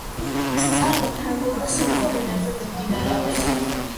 სწავლება ფრანგულ და სომხურ ენებზე მიმდინარეობს.